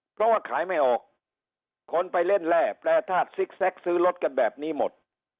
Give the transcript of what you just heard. เพราะว่าขายไม่ออกคนไปเล่นแร่แปรทาสซิกแซ็กซื้อรถกันแบบนี้หมด